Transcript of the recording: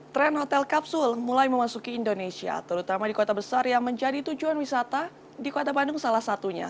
tren hotel kapsul mulai memasuki indonesia terutama di kota besar yang menjadi tujuan wisata di kota bandung salah satunya